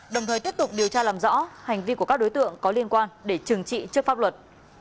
đồng thời tiếp tục điều tra làm rõ hành vi của các đối tượng có liên quan để trừng trị trước pháp luật